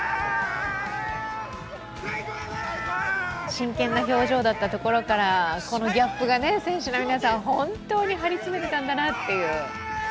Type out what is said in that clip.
真剣な表情だったところからこのギャップが選手の皆さん、本当に張り詰めてたんだなという。